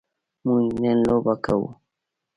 موږ نن لوبه کوو.